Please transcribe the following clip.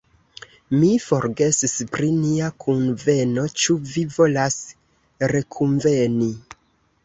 Mi forgesis pri nia kunveno, ĉu vi volas rekunveni?